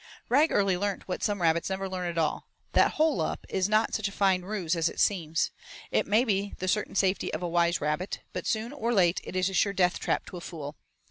Rag early learnt what some rabbits never learn at all, that 'hole up' is not such a fine ruse as it seems; it may be the certain safety of a wise rabbit, but soon or late is a sure death trap to a fool.